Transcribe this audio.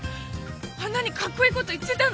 あんなにかっこいい事言ってたのに！